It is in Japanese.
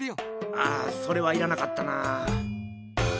ああそれはいらなかったなあ。